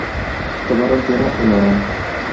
Tomaron tierra en Orán.